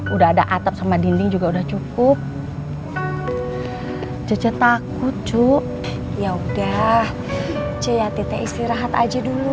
udah ada atap sama dinding juga udah cukup cece takut cuk ya udah ce ya tete istirahat aja dulu